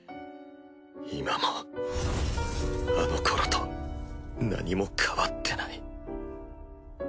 今もあのころと何も変わってない。